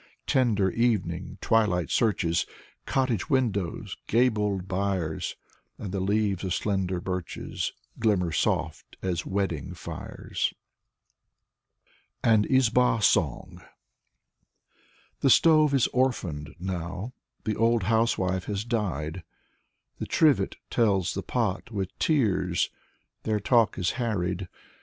Tender evening twilight searches Cottage windows, gabled byres, And the leaves of slender birches Glimmer soft as wedding fires. 1 Tr. by Avrahm Yarmolinsky. Nikolai Kluyev i6i AN IZBA SONG The stove is orphaned now; the old housewife has died, The trivet tells the pot with tears; their talk is harried.